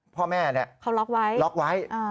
พ่อแม่นี่เขาล็อกไว้